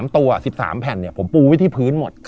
๓ตัว๑๓แผ่นผมปูไว้ที่พื้นหมด